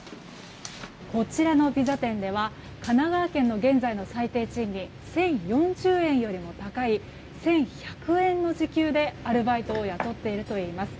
こちらのピザ店では神奈川県の現在の最低賃金１０４０円よりも高い１１００円の時給でアルバイトを雇っているといいます。